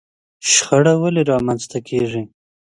شخړه ولې رامنځته کېږي؟